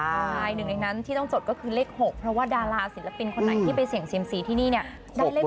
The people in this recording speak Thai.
ใช่หนึ่งในนั้นที่ต้องจดก็คือเลข๖เพราะว่าดาราศิลปินคนไหนที่ไปเสี่ยงเซียมซีที่นี่เนี่ยได้เลข๖